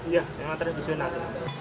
iya dengan tradisional